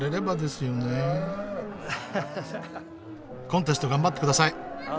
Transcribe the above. コンテスト頑張ってください。